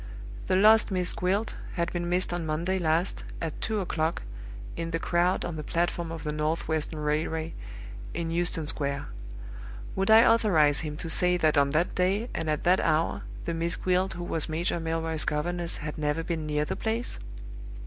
The lost 'Miss Gwilt' had been missed on Monday last, at two o'clock, in the crowd on the platform of the North western Railway, in Euston Square. Would I authorize him to say that on that day, and at that hour, the Miss Gwilt who was Major Milroy's governess had never been near the place?